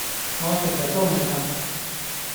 我成日都係咁